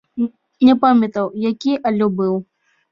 Не памятаю, які, але быў.